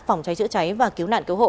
phòng cháy chữa cháy và cứu nạn cứu hộ